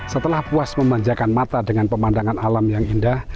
setelah puas memanjakan mata dengan pemandangan alam yang indah